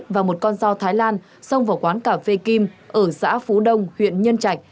và một con dao thái lan xông vào quán cà phê kim ở xã phú đông huyện nhân trạch